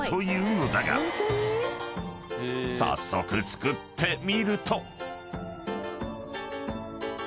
［早速作ってみると］